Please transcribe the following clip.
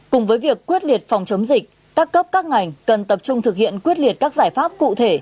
cùng với việc quyết liệt phòng chống dịch các cấp các ngành cần tập trung thực hiện quyết liệt các giải pháp cụ thể